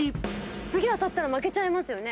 次当たったら負けちゃうよね？